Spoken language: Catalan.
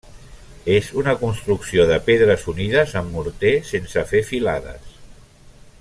És una construcció de pedres unides amb morter sense fer filades.